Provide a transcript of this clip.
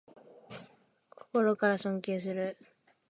心から尊敬する